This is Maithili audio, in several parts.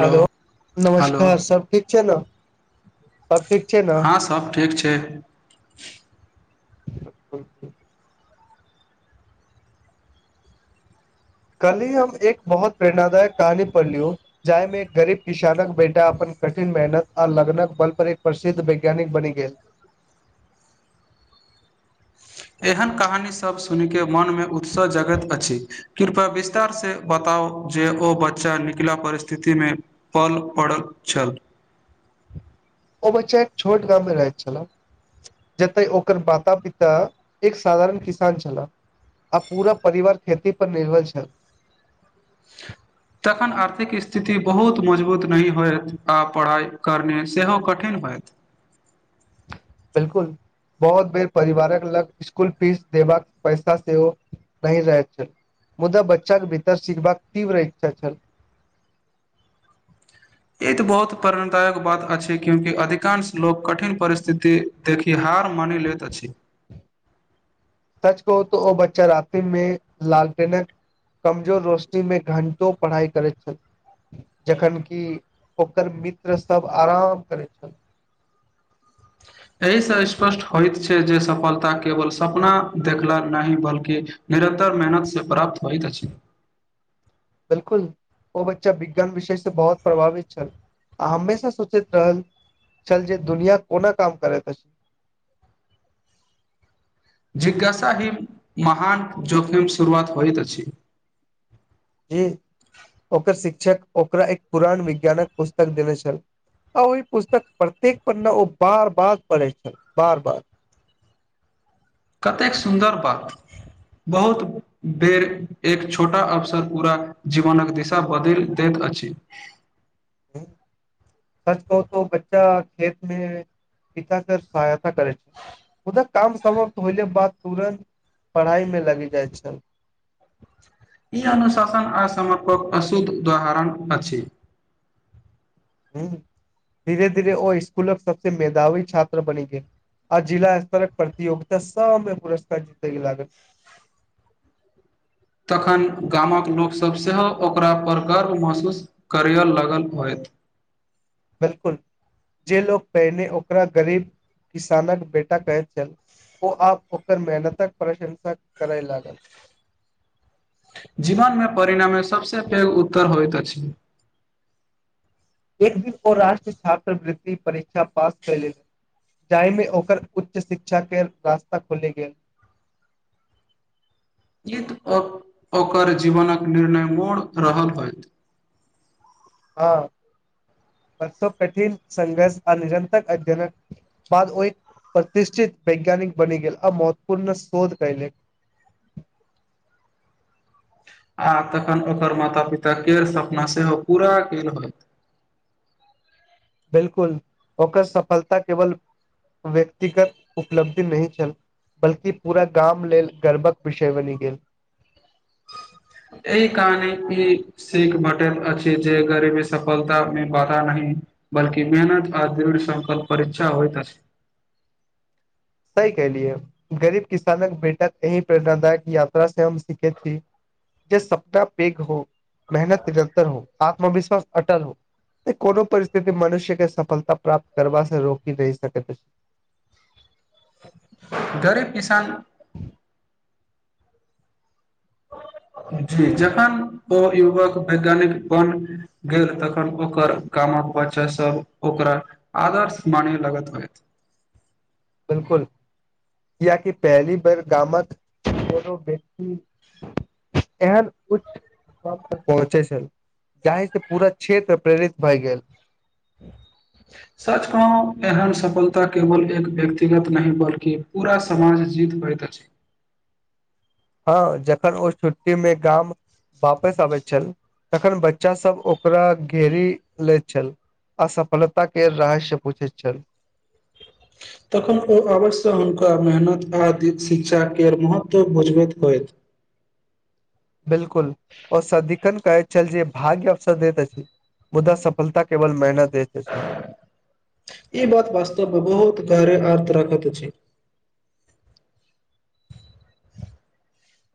हेलो हेलो नमस्कार सब ठीक छै ने सब ठीक छै ने हँ सब ठीक छै [inaudible] कलही हम एक बहुत प्रेरणादायक कहानी पढ़ली ओ जाहि मे एक गरीब किसानक बेटा अपन कठिन मेहनत आ लग्नक बल पर एक प्रसिद्ध वैज्ञानिक बनि गेल एहन कहानी सब सुनि क मन मे उत्साह जगैत अछि कृपया विस्तार से बताउ जे ओ बच्चा निकला परिस्थिति मे पल पड़ल छल ओ बच्चा एक छोट गाम मे रहैत छल जते ओकर माता पिता एक साधारण किसान छलाह आ पूरा परिवार खेती पर निर्भर छै तखन आर्थिक स्थिति बहुत मजबूत नहि होयत आ पढ़ाइ करने सेहो कठिन होयत बिलकुल बहुत बेर परिवारक लग इस्कुल फीस देबाक पैसा सेहो नहि रहैत छल मुदा बच्चाक केँ भीतर सिखबाक तीव्र इच्छा छल ई ते बहुत प्रेणदायक बात अछि क्योकि अधिकांश लोक कठिन परिस्थिति देखि हार मानि लैत अछि सच कहु तो ओ बच्चा राते मे लालटेनक कमजोर रोशनीमे घण्टो पढ़ाइ करैत छल जखन कि ओकर मित्रसभ आराम करैत छल एहिसँ स्पष्ट होइत छै जे सफलता केवल सपना देखला नहि बल्कि निरन्तर मेहनतसँ प्राप्त होइत अछि बिलकुल ओ बच्चा विज्ञान विषय से बहुत प्रभावित छल आ हमेशा सोचैत रहल छल जे दुनिया कोना काम करैत अछि जिज्ञासा ही महान जोखीम सुरुआत होइत अछि जी ओकर शिक्षक ओकरा एक पुरान विज्ञानक पुस्तक देने छल आ ओहि पुस्तक प्रत्येक पन्ना ओ बार - बार पढ़े छल बार - बार कतेक सुन्दर बात बहुत बेर एक छोटा अवसर पूरा जीवनक दिशा बदैल दैत अछि [inaudible] सच कहू तो बच्चा खेत मे पिता कर सहायता करै छै मुदा काम समाप्त होले बाद तुरंत पढ़ाई मे लगि जाइ छै ई अनुशासन आ समर्पक अशुद्ध उदाहरण अछि हुँ धीरे - धीरे ओ इस्कूलक सबसे मेधावी छात्र बनि गेल आ जिला स्तरक प्रतियोगिता सब मे पुरस्कार जीतेय लागल तखन गामक लोकसभ सेहो ओकरापर गर्व महसूस करियल लागल होइत बिलकुल जे लोको पहिने ओकरा गरीब किसानक बेटा कहैत छल ओ आब ओकर मेहनतक प्रशंसा करै लागल जीवन मे परिणामे सबसे पैघ उत्तर होइत अछि एक दिन ओ राष्ट्रीय छात्रवृति परीक्षा पास कैलेल जाहि मे ओकर उच्च शिक्षा केँ रास्ता खुली गेल एक ओर ओकर जीवनक निर्णय मोड़ रहल होइत हँ आओर सब कठिन संघर्ष आ निरन्तक अध्यनक बाद ओहि प्रतिष्ठित वैज्ञानिक बनि गेल आ महत्वपूर्ण शोध कैयलेक आ तखन ओकर माता पिता केर सपना सेहो पूरा केल होइत बिलकुल ओकर सफलता केवल व्यक्तिगत उपलब्धि नहि छल बल्कि पूरा गाम लेल गर्वक विषय बनि गेल एहि कहानी ई सीख भेटैत अछि जे गरीबी सफलता मे बाधा नहि बलकि मेहनत आ दृढ़ संकल परीक्षा होइत अछि सही कलियै गरीब किसानक बेटा एहि प्रेरणादायक यात्रा से हम सीखेत छी ज सपता पेघ हो मेहनत निरन्तर हो आत्मविश्वास अटल हो ए कोनो परिस्थिति मनुष्य केँ सफलता प्राप्त करबा से रोकी नहि सकैत अछि गरीब किसान जी जखन ओ युवक वैज्ञानिक बन गेल तखन ओकर कामक बच्चा सब ओकरा आदर्श मानी लगत होएत बिल्कुल कियाकी पहली बेर गामक [unintelligible] हूँ एहन उच्च मुकाम तक पहुँचे छल जाहि से पूरा क्षेत प्रेरित भए गेल [inaudible] सच कहूँ एहन सफलता केवल एक व्यक्तिगत नहि बल्कि पूरा स समाजीत होैत अछी हँ जखन ओ छुट्टी मे गाम वापस आबैत छल तखन बच्चा सब ओकरा घेरी लेत छल असफलता के रहस्य पूछैत छल तखन ओ अवश्य हुनका मेहनत आ दिशिक्षाके महत्व बुझबैत होथि बिल्कुल ओ सदिखन कहै चल जे भाग्य अवसर देैत अछी मुदा सफलता केवल मेहनत देते अछी ई बात वास्तवमे बहुत गहरे आर्त राखत अछी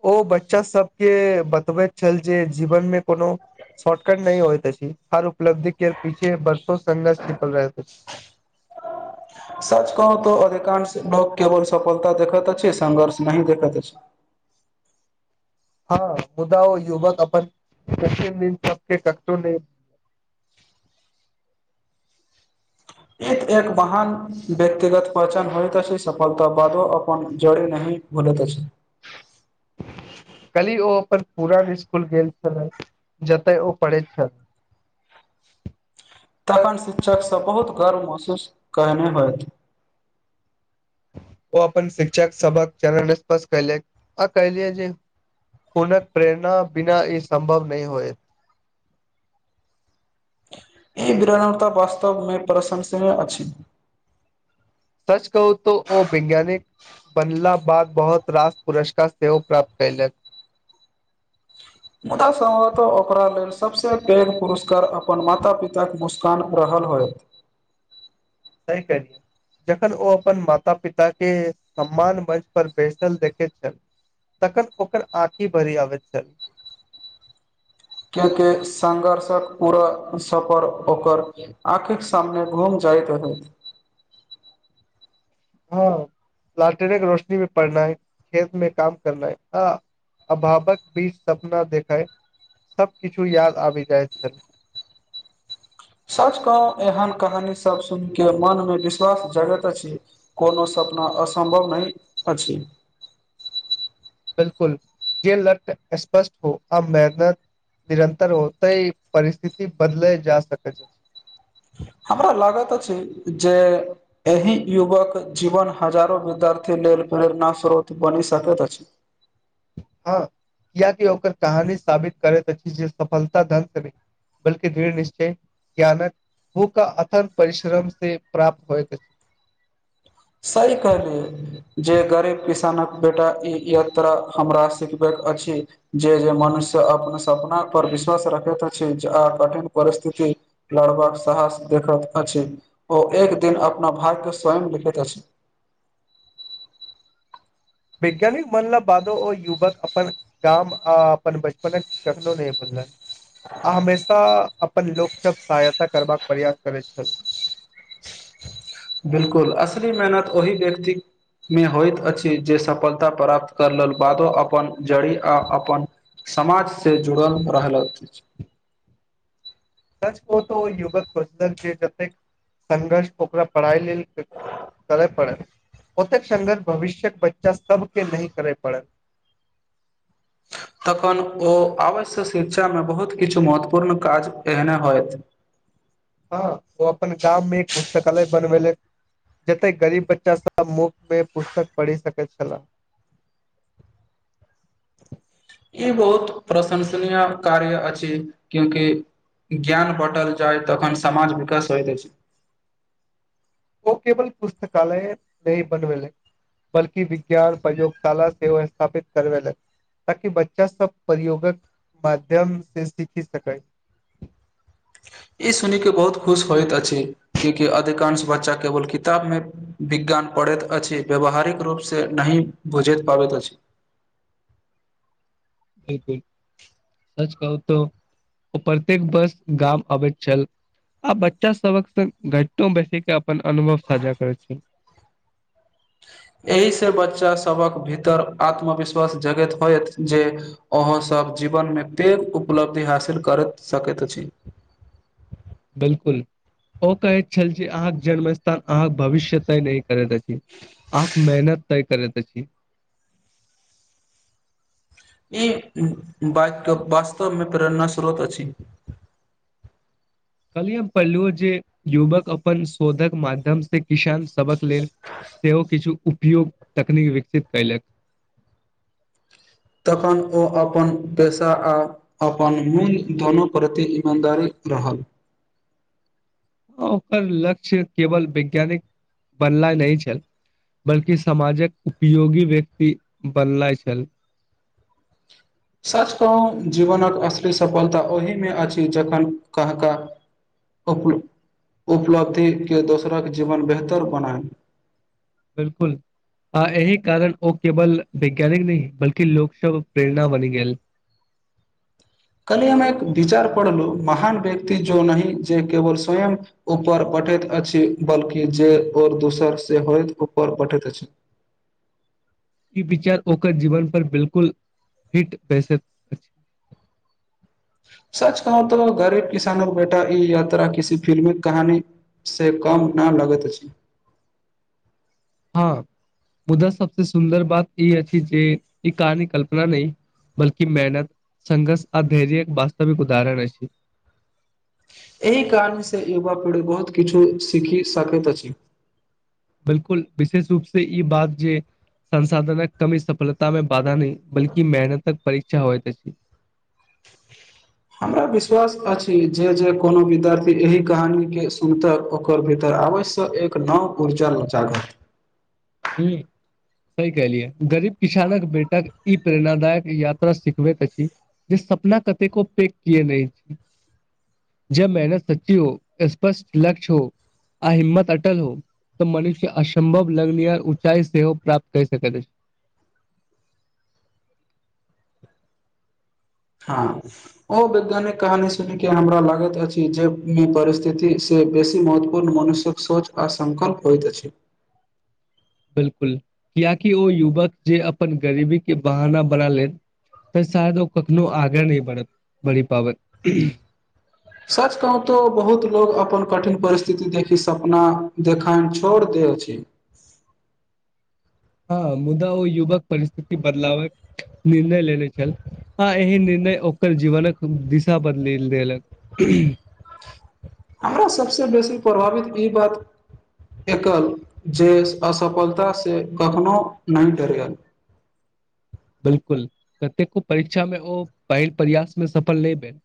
ओ बच्चा सबके बतबैत छल जे जीवनमे कोनो शॉर्टकट नहि होइत अछी हर उपलब्धि के पीछे बरषो संघर्ष छीपल रहैत अछी [unintelligible] सच कहू तो अधिकांश बोक केवल सफलता देखत अछि संघर्ष नही देखत अछि हँ मुदा ओ युवक अपन प्रतिम दिन [unintelligible] एक एक वाहन व्यक्तिगत पहचान होयत अछी सफलता बादो अपन जोड़ नही भुलत अछी कल्ही ओ अपन पुरान इस्कुल गेल छलै जतै ओ पढ़ैत छल तखन शिक्षक सब बहुत गर्व महसूस कहने होथ ओ अपन शिक्षक सबक चरण असर्पस कैले आ कलिय जे हूनक प्रेरणा बिना ई संभव नहि होएत ई विरानता वास्तव मे प्रशंसनीय अछी सच कहू तोऽ ओ वैज्ञानिक बनला बाद बहुत रास पुरस्कार सेहो प्राप्त कैलेक मुदा समतो ओकरा लेल सबसे पैघ पुरस्कार अपन माता पिता के मु नुकसान प्रहल होयत सही कहलियै जखन ओ अपन माता पिता के सम्मान मंच पर बैसल देखैते छल तखन ओकर आँखि भरी आबैत छल कियाकि संघर्षक पूरा सफर ओकर आखीक सामने घुम जाइत होत हँ लाटेने के रोशनी मे पढनाय खेत मे काम करनाय हँ अभावक बीच सपना देखाय सबकछु याद आबि जाइत छल सच क एहन कहानी सब सुन के मन मे विश्वास जगैत अछि कोनो सपना असम्भव नहि अछि बिल्कुल जे लत स्पष्ट हो आ मेहनत निरन्तर होतै परिस्थिति बदलै जा सकैत अछी हमरा लागतऽ अछी जे एहि युगक जीवन हजारो विद्यार्थी लेल प्रेरण स्रोत बनि सकैत अछि हँ कियाकि ओकर कहानी साबित करैत अछि जे सफलता धन से नहि बल दृढ़ निश्चय ज्ञानक भू का अथन परिश्रम से प्राप्त होयके सही कहलिय। जे गरीब किसान कऽ बेटा यो तह हमरा सिखबेके अछि जे मनुष्य अपना सपना पर विश्वास रखैत अछि जे आ कठिन परिस्थिति लड़बा कऽ साहस देखैत अछि ओ एक दिन अपना भाय के स्वयं लिखैत अछि वैज्ञानिकऽ मनल बादो ओ युवक अपन काम आ अपन बचपनकऽ कखनो नहि बुलनि आ हमेशा अपन लोक सभ सहायता करबाकऽ प्रयास करैत छल बिल्कूल असली मेहनत ओहि व्यक्त मे होइत अछि जे सफलता प्राप्त करल बादो अपन। जड़ी आ अपन समाज से जुड़ल रहलथि। सच को तऽ युगक सोचलक जे जतेकऽ संघर्ष ओकरा पढ़ाई लेलऽ करए पड़ै ओतेक संघर्ष भविष्य्यक बच्चा सभके नै करय पड़ै तखन ओ आवश्य शिक्षा मे बहुत किछु महत्वपूर्ण काज एहने होयत ह ओ अपन गाम मे एक पुस्तकालय बनब ले जते गरीब बच्चा सभ मुफ्त मे पुस्तक पढ़ि सकैत छला ई बहुत प्रशंसनीय कार्य अछि कियाकि ज्ञान बाँटल जाय तखन समाज विकास होइत अछि। ओ केवल पुस्तकालय नहि बनबे। बल्कि विज्ञान प्रयोगशाला सेहो स्थापित करबेलैथ। ताकि बच्चा सभ प्रयोगक माध्यम से सीखि सकै ई सुन के बहुत खुश होत अछि कियाकि अधिकांश बच्चा केवल किताब मे विज्ञान पढ़ैत अछि व्यवहारिकऽ रूप से नहि बुझैत पाबैत अछि बिल्कूल सच कहू तऽ ओ प्रत्येक बर्ष गाम अबैत छाल आ बच्चा सभके संग घाणटो बैसी के अपन अनुभव साझा करे छै एहि से बच्चा सभक भीतर आत्मविश्वास जगैत होयत जे। अहाँ सभ जीवन मे पैघ उपलब्धि हासिल करैत सकैत अछि। बिल्कूल ओ कहैत छल जे अहाँकेँ जन्म स्थान अहाँकेँ भविष्य तय नहि करैत अछि आ मेहनत तय करैत अछि ई वास्तव मे प्रेरणा स्रोत अछि। कहलियी हम पहिलु जे युवक अपन शोधकऽ माध्यम से किसान सभ के लेलऽ सेहो किछु उपयोग तकनीक विकसित कयलकऽ तखन ओ अपन पेशा अपन मून दोनो प्रति ईमानदारी रहल। ह ओकर लक्ष्य केवल वैज्ञानिक बनला नहि छल बल्कि समाज कऽ उपयोगी व्यक्ति बनल छल सच कह जीवन कऽ अशली सफलता ओहि मे अछि जखन कह कऽ उपलब्धि के दोसरा के जीवन बेहतर बनय बिल्कूल आ एहि कारण ओ केवल वैज्ञानिक नै बल्कि लोक सभ प्रेरणा बनि गेल कल अमे एक विचार पढ़लू महान व्यक्ति जो नह जे केवल स्वय ऊपर पठैत अछि बल्कि जे दोसर से होइत ऊपर पठैत अछि ई विचार ओकर जीवन पर बिल्कूल हिट बैसत सच कहू तऽ गरीब किसानो बेटा ई यात्रा किसी फिल्मी कहानी से कम ना लगैत अछि हँ [unintelligible] मुदा सबस सुन्दर बात ई अछि जे ई कहानी कल्पना नहि बल्कि मेहनत संघर्ष आ धैर्यक वास्तविक उदाहरण अछि एहि कारण से युवा पीढ़ी बहुत किछु सीखि सकैत अछि बिल्कुल विशेष रूप से ई बात जे संसाधनक कमी सफलता में बाधा नहि बल्कि मेहनत तक परीक्षा होइत अछि हमरा विश्वास अछि जे जे कोनो विद्यार्थी एहि कहानी के सुनते ओकर भीतर आबै सए एक नौव ऊर्जा लचागत ह्म सहि कलिये गरीब किसानक बेटाक ई प्रेरणादायक यात्रा सिखबैत अछि जे सपना कतेको पेघ किए नहि हेतै जब मेहनत सच्ची हो स्पष्ट लक्ष्य हो आ हिम्मत अटल हो त मनुष्य असम्भव लग्न ऊँचाइ सेहो प्राप्त कै सकैत अछि हँ ओ वैज्ञानिक कहानी सुन के हमरा लागैत अछि जेहि मे परिस्थिति से बेसी महत्वपूर्ण मनुष्य्यक सोच आ संकल्प होइत अछि बिल्कुल कियाकि ओ युवक जे अपन गरीबी के बहाना बना लेत तेर शायद ओ कखनो आगाँ नहि बढ़ बढ़ि पाबत सच कहु तो बहुत लोग अपन कठिन परिस्थिति देखि सपना देखा छर दे अछि हँ मुदा ओ युवक परिस्थिति बदलावक निर्णय लेने छल ह एहि निर्णय ओकर जीवनक दिशा बदलि देलक हमरा सभस बेसी प्रभावित ई बात एकल जे असफलतासँ कखनोहु नहि डरयल बिल्कुल कतेको परीक्षामे ओ पहिल प्रयासमे सफल नहि भेल